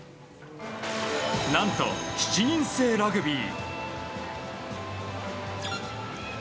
何と、７人制ラグビー。